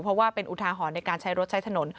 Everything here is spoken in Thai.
เพราะว่าเป็นอุทาหรณ์ในการใช้รถใช้ถนน